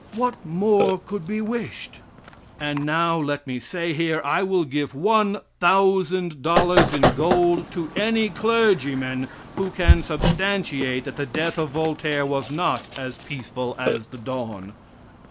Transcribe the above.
What more could he wished? And now let me say here, I will give a $1,000 in gold to any clergyman who can substantiate that the death of Voltaire was not as peaceful as the dawn.